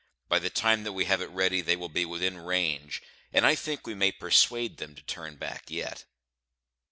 By the time that we have it ready, they will be within range; and I think we may persuade them to turn back yet."